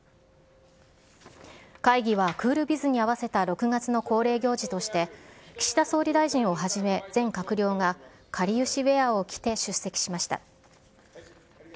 会議はクールビズに併せた６月の恒例行事として、岸田総理大臣をはじめ全閣僚がかりゆしウエアを着て出席しました。